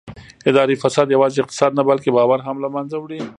اداري فساد یوازې اقتصاد نه بلکې باور هم له منځه وړي